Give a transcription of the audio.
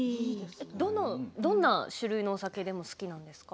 どんな種類のお酒でも好きなんですか。